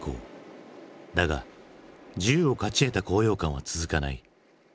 だが自由を勝ち得た高揚感は続かない。